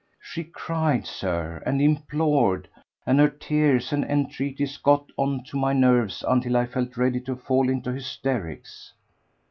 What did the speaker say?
She cried, Sir, and implored, and her tears and entreaties got on to my nerves until I felt ready to fall into hysterics.